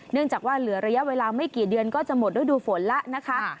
เนื่องจากว่าเหลือระยะเวลาไม่กี่เดือนก็จะหมดฤดูฝนแล้วนะคะ